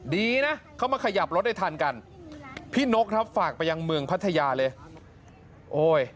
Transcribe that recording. ดีนะเขามาขยับรถได้ทันกันพี่นกครับฝากไปยังเมืองพัทยาเลยโอ้ย